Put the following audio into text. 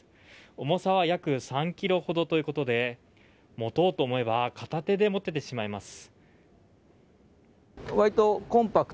重さは約３ｋｇほどということで持とうと思えば片手で持ててしまいます。